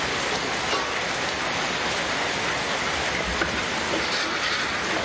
พร้อมทุกสิทธิ์